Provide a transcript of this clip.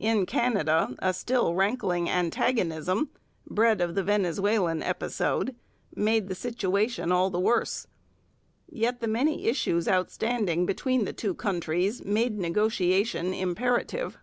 In Canada a still rankling antagonism bred of the Venezuelan episode made the situation all the worse. Yet the many issues outstanding between the two countries made negotiation imperative.